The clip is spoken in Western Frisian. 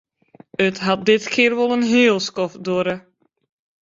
It hat diskear wol in heel skoft duorre.